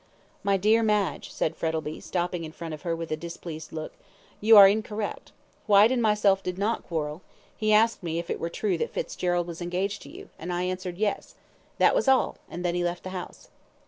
"My dear Madge," said Frettlby, stopping in front of her with a displeased look, "you are incorrect Whyte and myself did not quarrel. He asked me if it were true that Fitzgerald was engaged to you, and I answered 'Yes.' That was all, and then he left the house."